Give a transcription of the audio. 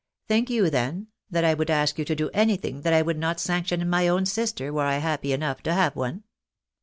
Think you, then, that I would ask you to do anything that I would not sanction in my own sister, were I happy enough to have one?